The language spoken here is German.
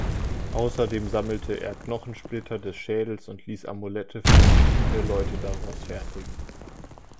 Außerdem sammelte er Knochensplitter des Schädels und ließ Amulette für verschiedene Leute daraus fertigen.